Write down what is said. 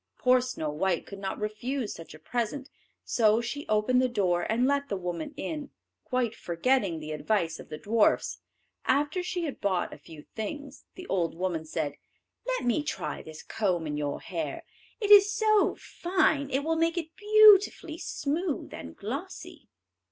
Poor Snow white could not refuse such a present, so she opened the door and let the woman in, quite forgetting the advice of the dwarfs. After she had bought a few things, the old woman said, "Let me try this comb in your hair; it is so fine it will make it beautifully smooth and glossy."